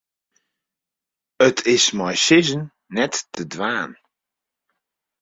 It is mei sizzen net te dwaan.